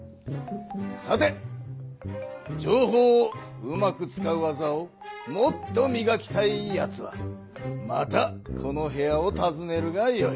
さて情報をうまく使う技をもっとみがきたいやつはまたこの部屋をたずねるがよい。